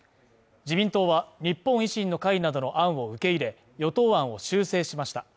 自民党は、日本維新の会などの案を受け入れ、与党案を修正しました。